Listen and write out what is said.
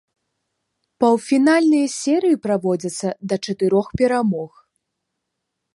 Паўфінальныя серыі праводзяцца да чатырох перамог.